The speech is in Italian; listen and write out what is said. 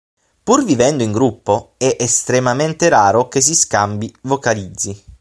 Pur vivendo in gruppo, è estremamente raro che si scambi vocalizzi.